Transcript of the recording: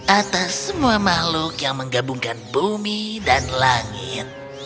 atas semua makhluk yang menggabungkan bumi dan langit